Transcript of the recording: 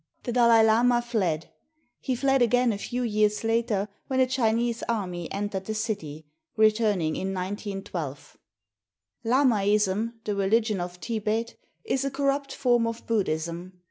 The Dalai Lama fled; he fled again a few years later when a Chinese army entered the city, returning in 191 2. Lamaism, the religion of Thibet, is a corrupt form of Buddhism.